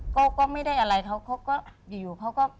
เขาก็ไม่ได้อะไรเขาก็อยู่อยู่เขาก็